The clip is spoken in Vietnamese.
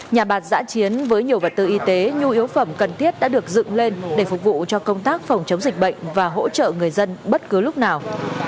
nhà bạc giã chiến với nhiều vật tư y tế nhu yếu phẩm cần thiết đã được dựng lên để phục vụ cho công tác phòng chống dịch bệnh và hỗ trợ người dân bất cứ lúc nào